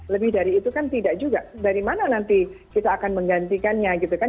lebih dari itu kan tidak juga dari mana nanti kita akan menggantikannya gitu kan